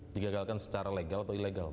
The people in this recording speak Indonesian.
digagalkan secara legal atau ilegal